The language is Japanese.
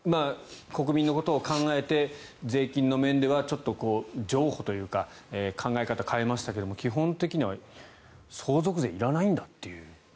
国民のことを考えて税金の面ではちょっと譲歩というか考え方を変えましたが基本的には相続税いらないんだという。